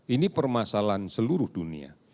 ini permasalahan seluruh dunia